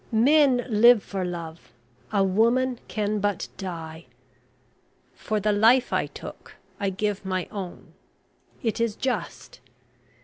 Men live for love a woman can but die. For the life I took I give my own it is just...